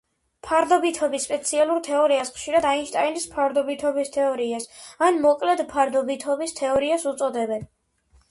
ფარდობითობის სპეციალურ თეორიას ხშირად აინშტაინის ფარდობითობის თეორიას, ან მოკლედ ფარდობითობის თეორიას უწოდებენ.